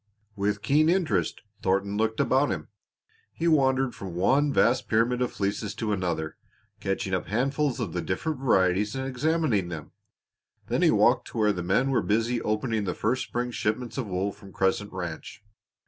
With keen interest Thornton looked about him. He wandered from one vast pyramid of fleeces to another, catching up handfuls of the different varieties and examining them. Then he walked to where the men were busy opening the first spring shipments of wool from Crescent Ranch.